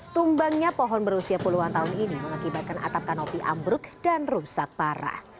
tumbangnya pohon berusia puluhan tahun ini mengakibatkan atap kanopi ambruk dan rusak parah